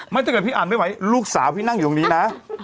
ถ้าเกิดพี่อ่านไม่ไหวลูกสาวพี่นั่งอยู่ตรงนี้นะ